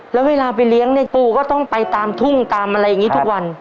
แล้วเวลาไปเลี้ยงในปูก็ต้องไปตามทุ่งตามอะไรอย่างนี้ทุกวัน